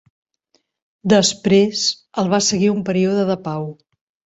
Després el va seguir un període de pau.